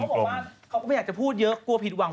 บอกว่าเขาก็ไม่อยากจะพูดเยอะกลัวผิดหวัง